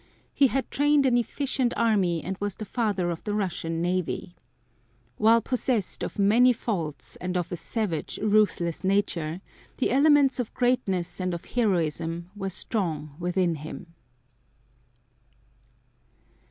He had trained an efficient army and was the father of the Russian navy. While possessed of many faults and of a savage, ruthless nature, the elements of greatness and of heroism were strong within him.